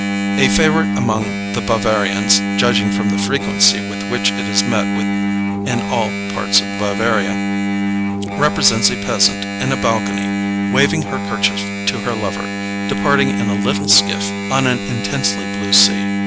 A favorite among the Bavarians, judging from the frequency with which it is met with in all parts of Bavaria, represents a peasant in a balcony waving her kerchief to her lover, departing in a little skiff, on an intensely blue sea.